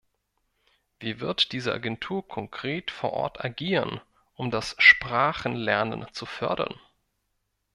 Wie wird diese Agentur konkret vor Ort agieren, um das Sprachenlernen zu fördern?